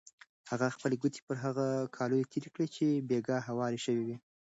هغې خپلې ګوتې پر هغو کالیو تېرې کړې چې بېګا هوار شوي وو.